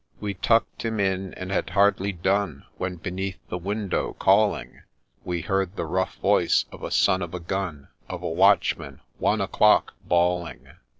We tuck'd him in, and had hardly done When, beneath the window calling, We heard the rough voice of a son of a gun Of a watchman ' One o'clock !' bawling.